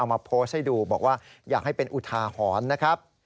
มาโพสต์ให้ดูบอกว่าอยากให้เป็นอุทาหรณ์นะครับ